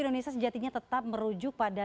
indonesia sejatinya tetap merujuk pada